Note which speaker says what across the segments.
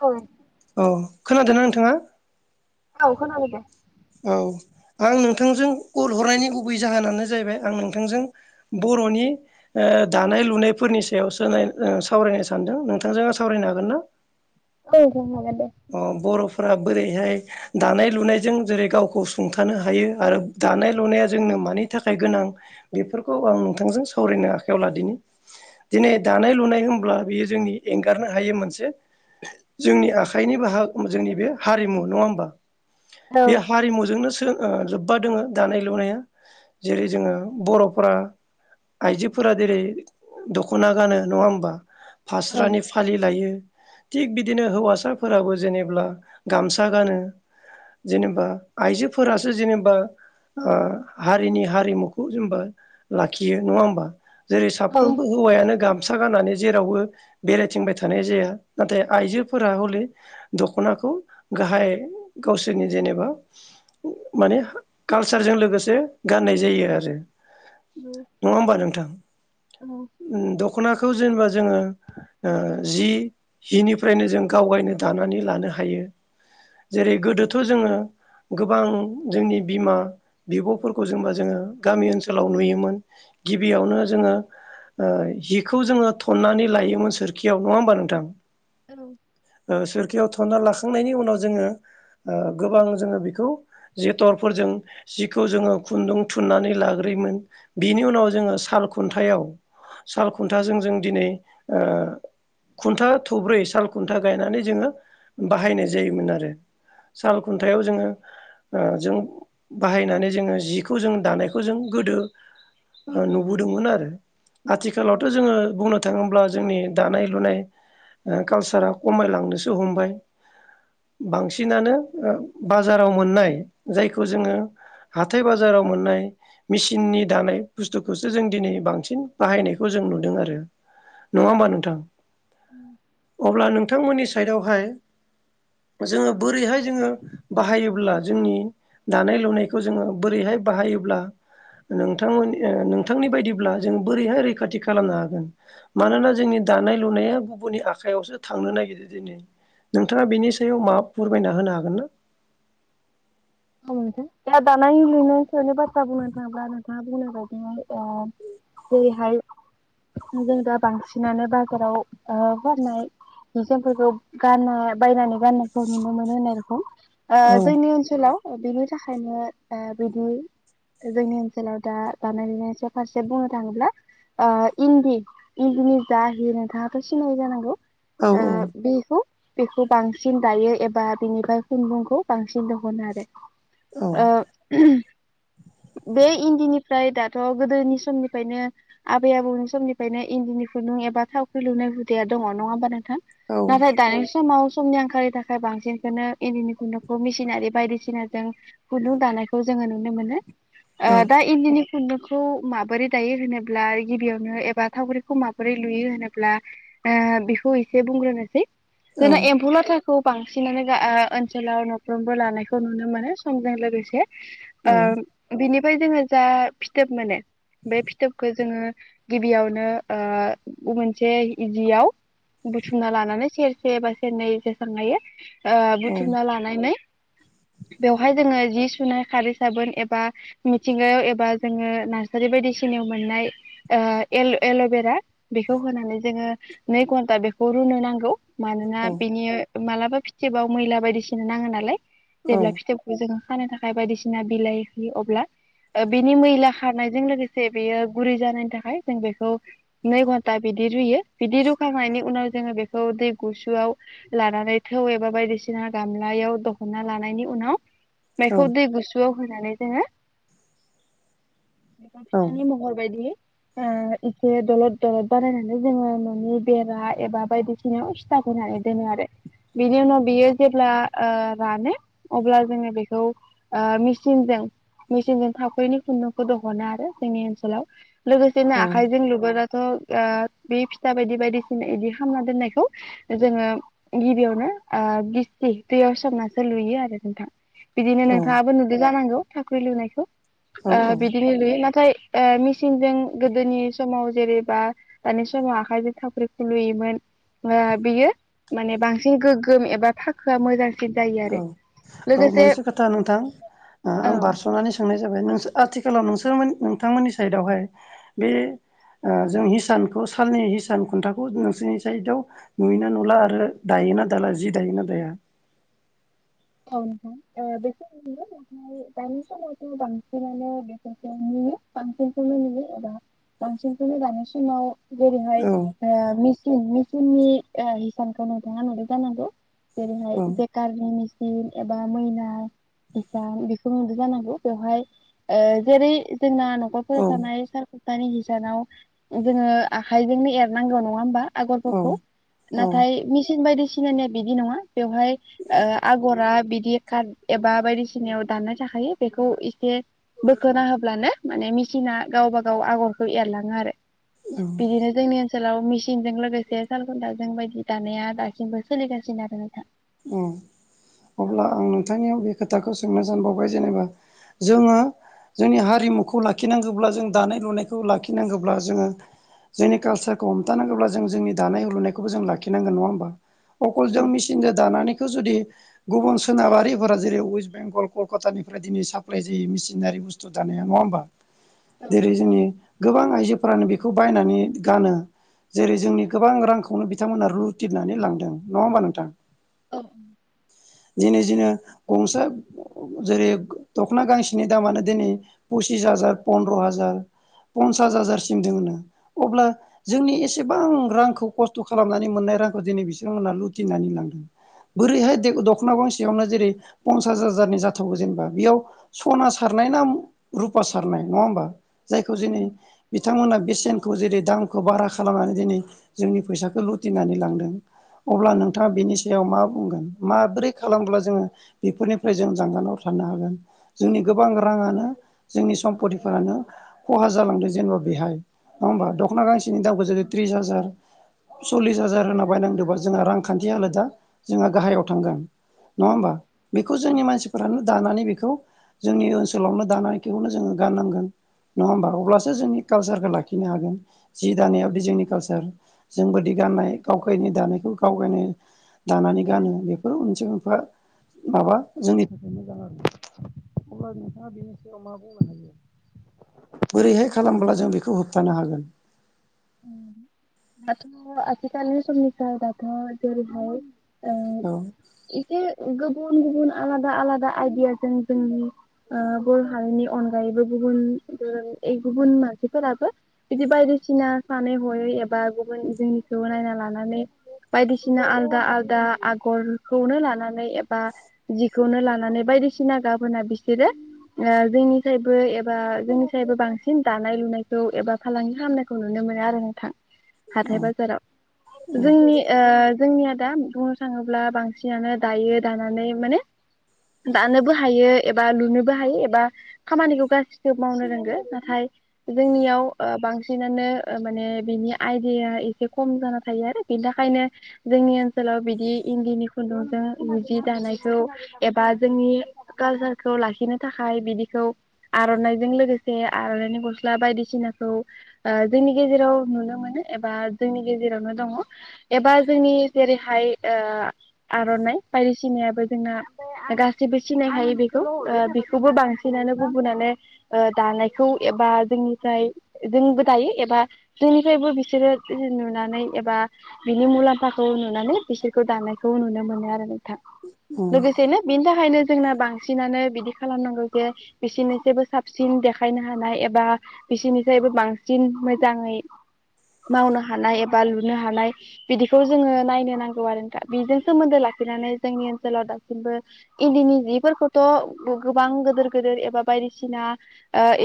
Speaker 1: औ
Speaker 2: औ खोनादोंना नोंथाङा
Speaker 1: औ खोनाबाय दे
Speaker 2: औ आं नोंथांजों कल हरनायनि गुबै जाहोनानो जाहैबाय आं नोंथांजों बर'नि ओ दानाय लुनायफोरनि सायावसो नाय सावरायनो सानदों नोंथांजों सावरायनो हागोन ना? [inaudible]
Speaker 1: औ नोंथां हागोन। दे।
Speaker 2: अ बर'फोरा बोरैहाय दानाय लुनायजों जेरै गावखौ सुंथानो हायो आरो दानाय लुनाया जोंनो मानि मानि थाखाय गोनां बेफोरखौ आं नोंथांजों सावरायनो आखायाव लादिनि
Speaker 1: औ
Speaker 2: दिनै दानाय लुनाय होनब्ला बेयो जोंनि एंगारनो हायै मोनसे जोंनि आखाइ आखायनि बाहा जोंनि बे हारिमु नङा होमबा!
Speaker 1: औ
Speaker 2: बे हारिमुजोंनो ओ लोब्बा दङो दानाय लुनाया जेरै जोङो बर'फोरा आइजोफोरा जेरै दख'ना गानो नङा होमबा फास्रानि
Speaker 1: औ
Speaker 2: फालि लायो थिग बिदिनो हौवासा फोराबो जेनेब्ला गामसा गानो जेनेबा आइजोफोरासो जेनेबा ओ हारिनि हारिमुखौ जेनबा लाखियो नङा होमबा! जेरै साफ्रोमबो हौवायानो गामसा गानानै जेरावबो बेरायथिंबाय थानाय जाया। नाथाय आइजोफोरा हले दख'नाखौ गाहाय गावसोरनि जेनेबा माने कालसारजों लोगोसे गाननाय जायो आरो नङा होमबा नोंथां!
Speaker 1: औ औ
Speaker 2: उम द ख'नाखौ जेनेबा जोङो ओ जि हिनिफ्रायनो जों गावगायनो दानानै लानो हायो जेरै- गोदोथ' जोङो गोबां जोंनि बिमा बिब'फोरखौ जेनेबा जोङो गामि ओनसोलाव नुयोमोन गिबियावनो जोङो ओ जिखौ जोङो थन्नानै लायोमोन सोरखियाव नङा होमबा नोंथां
Speaker 1: औ
Speaker 2: ओ सोरखियाव थनना लाखांनायनि उनाव जोङो ओ गोबां जोङो बेखौ जथरफोर जों जिखौ जोङो खुन्दुं थुननानै लाग्रोयोमोन बिनि उनाव जोङो साल खुन्थायाव साल खुन्थाजों जों दिनै ओ खुन्था थब्रै साल खुन्था गायनानै जोङो बाहायनाय जायोमोन आरो साल खुन्थायाव जोङो ओ जों बाहायनानै जोङो जिखौ जों दानायखौ जों गोदो नुबोदोंमोन आरो। आथिखालावथ' जोङो बुंनो थाङोब्ला जोंनि दानाय लुनाय ओ कालसारा खमायलांनोसो हमबाय। बांसिनानो बाजाराव मोननाय जायखौ जोङो। हाथाय बाजाराव मोननाय मेसिननि दानाय बुस्थुखौसो जों दिनै बांसिन बाहायनायखौ जों नुदों आरो नङा होमबा नोंथां अब्ला नों थांमोननि साइडआवहाय जोङो बोरैहाय जोङो बाहायोब्ला जोंनि दानाय लुनायखौ जोङो बोरैहाय बाहायोब्ला नोंथांमोन ओ नोंथांनि बायदिब्ला जों बोरैहाय रैखाथि खालामनो हागोन? मानोना जोंनि दानाय लुनाया गुबुननि आखाइायावसो थांनो नागिरदो दिनै नोंथाङा बेनि सायाव मा फोरमायना होनो हागोन ना? [inaudible]
Speaker 1: दा दानाय लुनायनि बाथ्रा बुंनो थाङोब्ला मा बुंनो बायदिनो ओ जेरैहाय जों दा बांसिनानो बाजाराव ओ फाननाय इजामफोरखौ गानना बायनानै गाननायखौ नुनो मोनो होननाय रोखोम।
Speaker 2: औ
Speaker 1: जोंनि ओनसोलाव बिनि थाखायनो बिदि जोंनि ओनसोलाव दा दानाय लुनाय स फारसे बुंनो थाङोब्ला ओ इन्दि इन्दिनि जाहि नोंथाङाथ' सिनायो जानांगौ।
Speaker 2: औ
Speaker 1: ओ‌
Speaker 2: औ
Speaker 1: बिहु बेखौ बांसिन दायो एबा बिनिफ्राय खुन्दुंखौ बांसिन दिहनो आरो
Speaker 2: औ
Speaker 1: ओ
Speaker 2: [inaudible]
Speaker 1: बे इन्दिनिफ्राय दाथ' गोदोनि समनिफ्रायनो आबै आबौनि समनिफ्रायनो इन्दिनि खुन्द बा थखवख्रि लुनाय हु दङङ ह नोंथां ना दानि समाव समनि आंखालनि थाखाय बांसिनखौनो इदिनि खुन्दुखौ मिसिनारि बायदिसिना जों जुलुं दानायखौ जोङो नुनो मोनो
Speaker 2: औ
Speaker 1: ओ दा इदिनि खुन्दुखौ माबोरै दायो होनोब्ला गिबियावनो एबा थावख्रिखौ माबोरै लुयो होनोब्ला ओ बेखौ एसे बुंग्रोनोसै।
Speaker 2: औ
Speaker 1: जोंना एम्फौ लाथाखौ बांसिनानो ओ ओनसोलाव न'फ्रोमबो लानायखौ नुनो मोनो। समजों लोगोसे ओ बिनिफ्राय जोङो जा फिथोब मानो बे फिथोबखौ जोङो गिबियावनो ओ मोनसे इजियाव बुथुमना लानानै सेरसे एबा सेरनै जेसेबां हायो ओ
Speaker 2: औ
Speaker 1: बुथुमना लानानै बेवहाय जोङो जि सुनाय खारै साबोन एबा मिथिंगायाव एबा जोङो नार्सारि बायदिसिनाय मोन नाय एल'बेरा बेखौ होनानै जोङो नै घन्टा बेखौ रुनो नांगौ मानोना बिनि मालाबा फिथोबाव मैला बायदिसिना नाङो नालाय
Speaker 2: औ
Speaker 1: जेब्ला फिथोबखौ जों खानो थाखाय बायदिसिना बिलाइ होयो अब्ला बिनि मैला खारनायजों लोगोसे बेयो गुरै जानायनि थाखाय जों बेखौ नै घन्टा बिदि बि रुयो बिदि रुखांनायनि उनाव जोङो बेखौ दै गुसुआव लानानै थौ एबा बायदिसिना गामलायाव दख'ना लाना उनाव
Speaker 2: औ
Speaker 1: बेखौ दै गुसुआव होनानै जोङो
Speaker 2: औ
Speaker 1: बेस्ताननि महरबायदि इसे दलद दलद बानायनानै जोङो ननि बेरा एबा बायदिसिनाययाव सिथा दोनो आरो आरो बिनि न बियो जेब्ला ओ‌ रानो अब्ला जोङो बेखौ ओ मेचीनजों मेचिनजों थाफैनि खुन्दुंखौ दिहनो आरो जोंनि ओनसोलाव लोगोसेनो आखाइजों लो थ' ओ बे फिथा बायदि बायदिसिना बिदि खालामना दोननायखौ जोङो गिबियावनो ओ बिस्टि बेयाव सनासो लुइयो आरो नोंथां बिदिनो नोंथाङाबो नुदों जानांगौ साख्रि लुनायखौ
Speaker 2: औ
Speaker 1: ओ बिदिनो लुयो नाथाय ओ मेसिनजों गोदोनि समाव जेरेबा दानि समाव आखायजों थावाख्रि खुलुयोमोन। ओआ बियो माने बांसिन गोगोम एबा फाखोआ मोजांसिन जायो
Speaker 2: औ
Speaker 1: आरो
Speaker 2: औ
Speaker 1: लोगोसे
Speaker 2: मोनसे खोथा नोंथां ओ आं
Speaker 1: औ
Speaker 2: बारसनानै सोंनाय जाबाय नोंसो आथिखालाव नोंसोमोननि नोंथांमोननि साइडआवहाय बे ओ जों हिसानखौ सालनि हिसान खुन्थाखौ नोंसोरनि साइदआव नुयोना नुला आरो दायो दायोना दाला जि दायोना दाया?
Speaker 1: औ नोंथां ओ बै समाव नंगौ नाथाय दानि समाव थ बांसिनानो बेखौसो नु नुयो फांसेनखौनो नुयो एबा बांसिनखौनो दानि समाव जेरैहाय
Speaker 2: औ
Speaker 1: ओ मिचन मिचननि ओ हिसानखौ नोंथाङा नुबाय जानांगौ जेरैहाय
Speaker 2: औ
Speaker 1: जेकारनि मेसिन एबा मैना हिसान बेफोर नुदो जानांगौ बेवहाय ओ जेरै जोंना न नखरफोराव
Speaker 2: औ
Speaker 1: थानाय सालखुन्था हिसानाव उम जोङो आखाइजोंनो एरनांगौ नङा होमबा?
Speaker 2: औ
Speaker 1: आगरफोरखौ
Speaker 2: औ
Speaker 1: नाथाय मेसिन बायदिसिनानिया बिदि नङा बेवहाय ओ आगरा बिदि काट एबा बायदिसिनायाव दाननाय थाखायो बेखौ इसे बोखोना होब्लानो माने मिसिना गावबा गाव आगरखौ एरलाङो आरो
Speaker 2: औ
Speaker 1: बिदिनो जोंनि ओन सोलाव मेसिंनजों लोगोसे सालखुन्थाजों बायदि दानाया दासिमबो सोलिगासिनो आरो नोंथां
Speaker 2: उम
Speaker 1: औ
Speaker 2: अब्ला आं नोंथांनियाव बे खोथाखौ सोंनो सानबावबाय जेनेबा जोङो जोंनि हारिमुखौ लाखिनांगोब्ला जों दानाय लुनायखौ लाखिनांगोब्ला जोङो जोंनि कालसारखौ हमथानांगोब्ला जों जोंनि दानाय लुनायखौबो जों लाखिनांगोन नङा होमबा अकल
Speaker 1: औ
Speaker 2: जों मेसिनजो इखो जुदि गुबुन सोनाबारिफोरा जेरै वेस्टबेंगल कलकतानिफ्राय दिनै साप्लाय जि मिसिनारि बुस्थु दानाया नङा होनोमबा जेरै जोंनि गोबां आइजोफोरानो बेखौ बायनानै गानो। जेरै जोंनि गोबां रांखौनो बिथांमोना रुयतितनानै लांदों नङा होमबा नोंथां
Speaker 1: औ उम
Speaker 2: दिनै जेनो गंसे जेरै दखना गांसेनि दामानो दिनै पुस पसिस हाजार फन्द्रहाजार पन्सास हाजारसिम दोङोनो अब्ला जोंनि एसेबां रांखौ खस्थ खालामनानै मोननाय रांखौ दिनै बिसिमोना लुथिनानै लांदों बोरैहाय दे दखना गांसेयावनो जेरै पन्सास हाजारनि जाथागौ जेनेबा बेयाव सना सारनाय ना रुपा सारनाय नङा होमबा जायखौ जिनै
Speaker 1: औ
Speaker 2: बिथांमोना बेसेनखौ जेरै दामखौ बारा खालामनानै दिनै जोंनि फैसाखौ लुथिनानै लांदों अब्ला नोंथाङा
Speaker 1: औ
Speaker 2: बेनि सो बुंगोन माब्रै खालामब्ला जोङो बेफोरनिफ्राय जों जानगाराव थानो हागोन जोंनि गोबां रां रां आनो जोंनि सम्पथिफोरानो खहा जालां जेनेबा बेहाय नङा होबा दखना गांसे बिनि दामखौ जुदि त्रिस हाजार सल्लिस हाजार होनना बायनांदोंबा जोंहा रांखान्थि हालोदा जोंहा गाहायाव थांगोन नङा होमबा बेखौ जोंनि मानसिफोरानो दानानै बे खौ जोंनि ओनसोलावनो दानायखौनो जोङो गाननांगोन नङा होमबा अब्लासो जोंनि कालसारखौ लाखिनो हागोन जि दानायाबोदि जोंनि कालसार जों बादि गाननाय गावखायनि दानायखौ गाव गानो दानानै गानो बेफोर मोननसे मो बा माबा जोंनि थाखाय मोजां आरो अब्ला नोंथाङा बिनि सायाव मा बुंनो हायो बोरैहाय खालामब्ला जों बेखौ होबथानो हागोन
Speaker 1: [unintelligible] दाथ आथिखालनि समनिफ्राय दाथ जेरैहाय ओ
Speaker 2: औ
Speaker 1: एसे गुबुन गुबुन आलादा आलादा आइदियाजों जोंनि ओ बरहारिनि अनगायैबो गुबुन ओ ए गुबुन मानसिफोराबो बिदि बायदि सिना सानै हयै एबा गुबुन जोंनिखौ नायना लानानै बायदिसिना आलदा आलदा आगरखौनो लानानै एबा जिखौनो लानानै बाय बायदिसिना गाबोना बिसोरो ओ जोंनिफ्रायबो एबा जोंनि सायबो बांसिन दानाय लुनायखौ एबा फालांगि खालामनायखौ नु नुनो मोनो आरो नोंथां
Speaker 2: औ
Speaker 1: हाथाय बाजाराव
Speaker 2: औ
Speaker 1: जोंनि ओ जोंनिया दा बुंनो थाङोब्ला बांसिनानो दायो दानानै माने दानोबो हायो एबा लुनोबो हायो एबा खामानिखौ गासिबोखौ मावनो रोंगो नाथाय जोंनियाव ओ बांसिनानो ओ माने बिनि आइदियाया एसे खम जाना थायो आरो बिनि थाखायनो जोंनि ओनसोलाव बिदि इन्दिनि खुन्दुंजों जि दानायखौ एबा जोंनि कालसारखौ लाखिनो थाखाय बिदिखौ आरनायजों लोगोसे आर'नायनि गस्ला बायदिसिना खौ ओ बेनि गेजेराव नुनो मोनो एबा जोंनि गेजेरावनो दङ एबा जोंनि जेरैहाय ओ आर'नाइ बायदि सिनायाबो जोंना गाससिबो सिनाय हायो बेखौ खौबो बांसिनानो गुबुनानो ओ दानायखौ एबा जोंनिफ्राय जोंबो दायो बा जोंनिफ्रायबो बिसोरो बिदि नुनानै एबा बिनि मुलाम्फाखौ नुनानै बिसोरखौ दानायखौ नुनो मोनो आरो नोंथां
Speaker 2: औ
Speaker 1: लोगोसेनो बेनि थाखायनो जोंना बांसिनानो बिदि खालामनांगौ जे बिसोरनिख्रुइबो साबसिन देखायनो हानाय एबा बिसोरनिफ्रायबो बांसिन मोजाङै मावनो हानाय एबा लुनो हानाय बिदिखौ जोङो नायनो नांगौ आरो नोंथां बेजों सोमोन्दो ला खिनानै जोंनि ओनसोलाव दासिमबो इन्दिनि जिफोरखौथ' गोबां गोदोर गोदिर एबा बाय बायदिसिना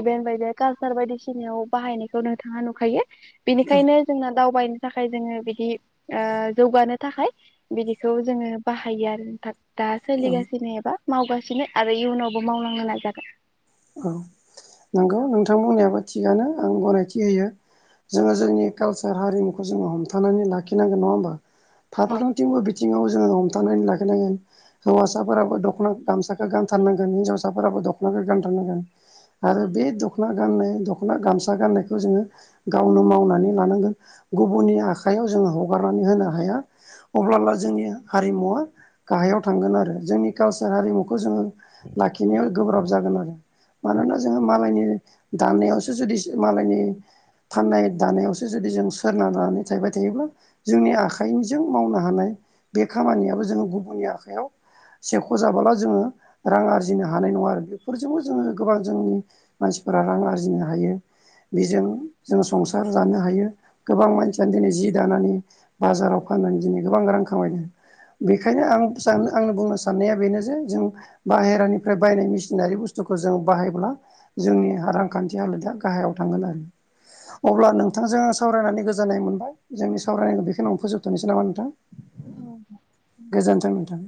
Speaker 1: इभेन्ट बाय कालचार बायदिसिनायाव बाहायनायखौ थाङा नुखायो बेनिखायनो जोंना दावबाय थाखाय जोङो बिदि ओ जौगानो थाखाय बिदिखौ जोङो बाहायो आरो नोंथां दा सोलिगासिनो एबा मावगासिनो आरो इयुनावबो मावलांनो नाजागोन
Speaker 2: औ नंगौ नोंथां बुंनायाबो थिगानो आं गनायथि होयो जोङो जोंनि कालसार हारिमुखौ जोङो हमथानानै लाखिनांगोन नङा होमबा
Speaker 1: औ
Speaker 2: फारफ्रोमथिंबो बिथिंङाव जोङो हमथानानै लाखिनांगोन हौवासाफोराबो दख'ना गामसाखौ गानथारनांगोन हिनजावसाफोराबो दखनाखो गान्थार नांगोन आरो बे दखना गान्नाय दख'ना, गामसा गान्नाय जोङो गावनो मावनानै लानांगोन, गुबनि आखायाव जों हगारनानै होनो हाया अब्लाब्ला जोंनि हारिमुवा गाहायाव थांगोन आरो जोंनि कालसार हारिमुखौ जोङो लाखिनायाव गोब्राब जागोन आरो मानोना जोङो मालायनि दानायावसो जुदि मालायनि फाननाय दानायावसो जुदि जों सोरनानानै थाबाय थायोब्ला जोंनि आखाइजों मावनो हानाय बे खामानियाबो जोंङो गुबुननि आखायाव सेख' जाबाला जोङो रां आरजिनो हानाय नङा आरो बेफोर बेजोंबो जोङो गोबां जोंनि मानसिफोरा रां आरजिनो हायो बेजों जोंङो संसार जानो हायो गोबां मानसियानो दिनै जि दानानै बाजाराव फाननानै दिनै गोबां रां खामायदों। बेखायनो आं सानो आंनि बुंनो साननाया बेनो जे जों बाहेरानिफ्राय बायनाय मेसिनारि बुस्थु थुखौ जों बाहायब्ला जोंनि रांखान्थि हालोदा गाहायाव थांगोन आरो अब्ला नोंथांजों सावरायनानै गोजोननाय मोनबाय जोंनि सावरायनायखौ बेखेनियावनो फोजोबथ'नोसै नामा नोंथां
Speaker 1: औ
Speaker 2: गोजोन्थों नोंथां